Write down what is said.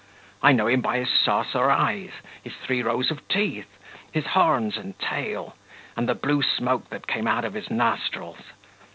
I know him by his saucer eyes, his three rows of teeth, his horns and tail, and the blue smoke that came out of his nostrils.